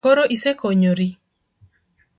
Koro isekonyori?